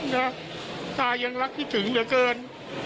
นะตายังรักที่ถึงเหนือเกิน